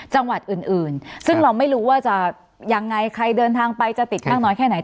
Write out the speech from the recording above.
จังหวัดอื่นซึ่งเราไม่รู้ว่าจะยังไงใครเดินทางไปจะติดมากน้อยแค่ไหน